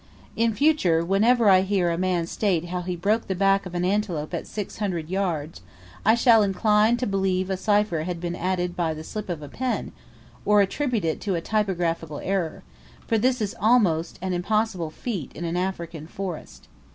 In future, whenever I hear a man state how he broke the back of an antelope at 600 yards, I shall incline to believe a cipher had been added by a slip of the pen, or attribute it to a typographical error, for this is almost an impossible feat in an African forest.